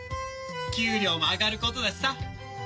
給料も上がることだしさ。